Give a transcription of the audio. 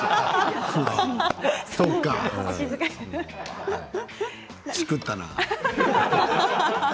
そうか、しくったな。